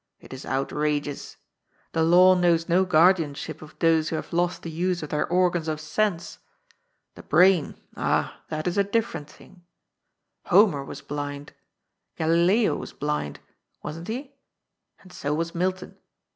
It is outrageous. The law knows no guardianship of those who have lost the use of their organs of sense. The brain — ah, that is a different thing. Homer was blind. Galileo was blind — wasn't he ? And so was Milton.